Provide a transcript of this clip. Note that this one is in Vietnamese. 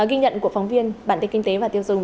ghi nhận của phóng viên bản tin kinh tế và tiêu dùng